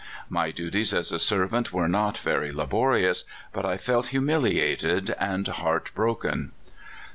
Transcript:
My duties as a servant were not very labo rious, but I felt humiliated and heart broken.